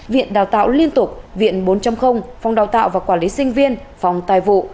viện đào tạo liên tục viện bốn phòng đào tạo và quản lý sinh viên phòng tài vụ